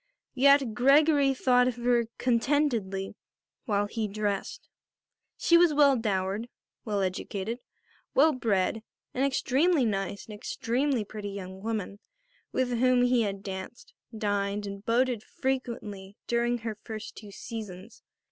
Yet Gregory thought of her very contentedly while he dressed. She was well dowered, well educated, well bred; an extremely nice and extremely pretty young woman with whom he had danced, dined and boated frequently during her first two seasons.